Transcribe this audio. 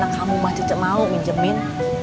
mana kamu mah cece mau minjemin